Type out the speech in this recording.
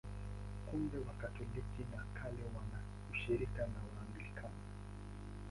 Kumbe Wakatoliki wa Kale wana ushirika na Waanglikana.